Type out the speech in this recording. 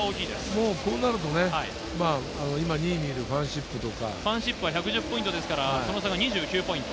もうこうなるとね、ファンシップは１００ポイントですから、その差が２９ポイント。